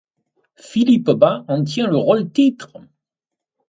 Philippe Bas en tient le rôle-titre.